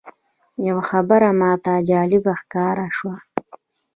یوه خبره ماته جالبه ښکاره شوه.